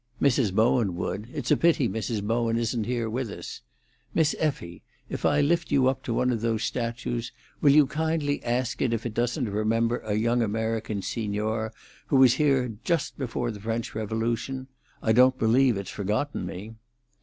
"Mrs. Bowen would. It's a pity Mrs. Bowen isn't here with us. Miss Effie, if I lift you up to one of those statues, will you kindly ask it if it doesn't remember a young American signor who was here just before the French Revolution? I don't believe it's forgotten me."